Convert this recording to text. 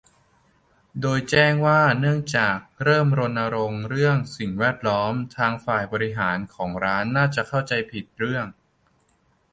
โดยแจ้งว่าเนื่องจาก "เริ่มรณรงค์เรื่องสิ่งแวดล้อม" ทางฝ่ายบริหารของร้านน่าจะเข้าใจผิดเรื่อง